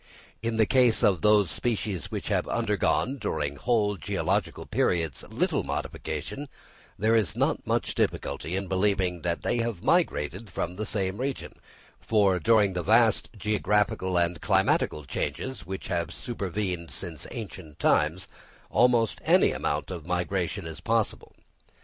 In the case of those species which have undergone, during whole geological periods, little modification, there is not much difficulty in believing that they have migrated from the same region; for during the vast geographical and climatical changes which have supervened since ancient times, almost any amount of migration is possible.